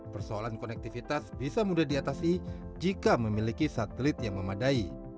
persoalan konektivitas bisa mudah diatasi jika memiliki satelit yang memadai